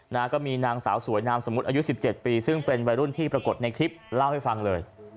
นะฮะก็มีนางสาวสวยนามสมมุติอายุสิบเจ็ดปีซึ่งเป็นวัยรุ่นที่ปรากฏในคลิปเล่าให้ฟังเลย